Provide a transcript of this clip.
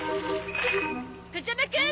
風間くん